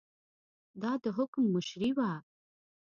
دا د حکم مشري وه.